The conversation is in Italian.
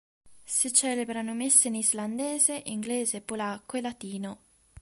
Si celebrano messe in islandese, inglese, polacco e latino.